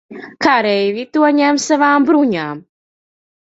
Kareivji to ņem savām bruņām.